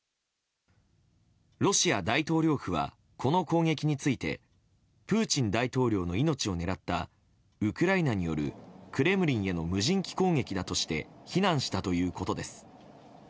ロシア大統領府はこの攻撃についてプーチン大統領の命を狙ったウクライナによるクレムリンへの無人機攻撃だとして非難したということです。